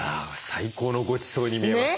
最高のごちそうに見えます。